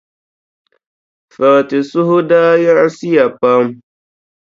Fati suhu daa yiɣisiya pam.